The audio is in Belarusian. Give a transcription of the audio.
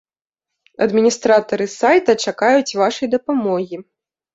Адміністратары сайта чакаюць вашай дапамогі!